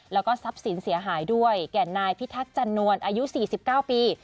แล้วก็ทรัพย์สินเสียหายด้วยแก่นายพิทักษันนวลอายุ๔๙ปี